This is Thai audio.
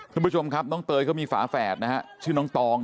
ทุกผู้ชมครับน้องเตยเขามีฝาแฝดนะฮะชื่อน้องตอง